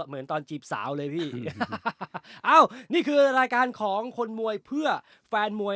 เหมือนตอนจีบสาวเลยพี่เอ้านี่คือรายการของคนมวยเพื่อแฟนมวย